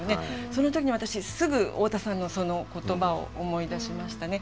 その時に私すぐ大田さんのその言葉を思い出しましたね。